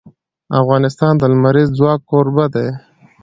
افغانستان د لمریز ځواک کوربه دی.